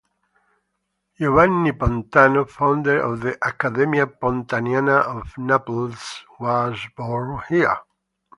Giovanni Pontano, founder of the Accademia Pontaniana of Naples, was born here.